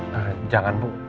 nah jangan bu